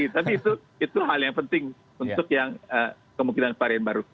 tapi itu hal yang penting untuk yang kemungkinan varian baru